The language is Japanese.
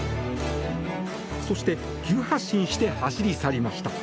そして急発進して走り去りました。